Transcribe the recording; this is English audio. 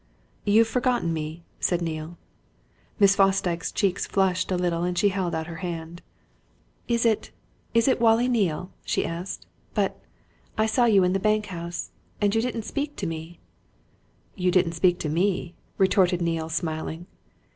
"You've forgotten me!" said Neale. Miss Fosdyke's cheeks flushed a little and she held out her hand. "Is it is it Wallie Neale?" she asked. "But I saw you in the bank house and you didn't speak to me!" "You didn't speak to me," retorted Neale, smiling.